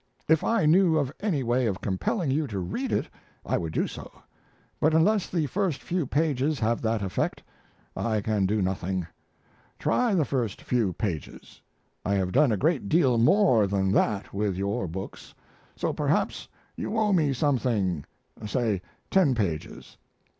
If I knew of any way of compelling you to read it I would do so, but unless the first few pages have that effect I can do nothing. Try the first few pages. I have done a great deal more than that with your books, so perhaps you owe me some thing say ten pages.